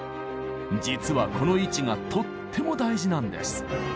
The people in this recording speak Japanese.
実はこの位置がとっても大事なんです。